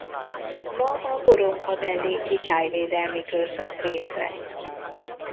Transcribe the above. Ma a Boronka-melléki Tájvédelmi Körzet része.